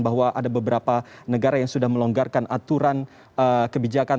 bahwa ada beberapa negara yang sudah melonggarkan aturan kebijakan